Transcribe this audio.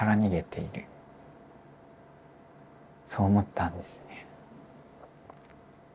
そう思ったんですね。